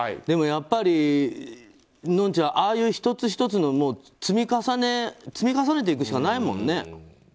でもやっぱり、のんちゃんああいう１つ１つを積み重ねていくしかないもんね。